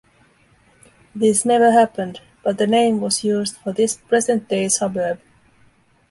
This never happened, but the name was used for this present day suburb.